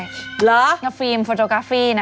หรือฟิล์มโฟตรากราฟี่น่ะ